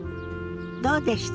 どうでした？